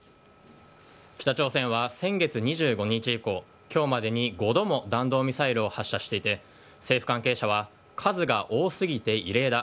北朝鮮は先月２５日以降、きょうまでに５度も弾道ミサイルを発射していて、政府関係者は、数が多すぎて異例だ。